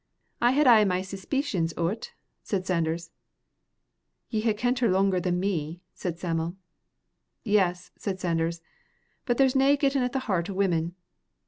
"I had ay my suspeecions o't," said Sanders. "Ye hae kent her langer than me," said Sam'l. "Yes," said Sanders, "but there's nae gettin' at the heart o' women.